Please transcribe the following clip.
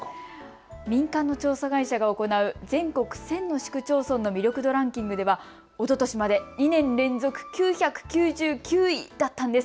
民間の調査会社が行う全国１０００の市区町村の魅力度ランキングではおととしまで２年連続で９９９位だったんです。